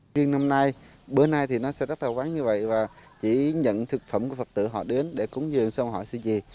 riêng năm nay bữa nay thì nó sẽ rất là quán như vậy và chỉ nhận thực phẩm của phật tử họ đến để cúng dường xong họ sẽ gì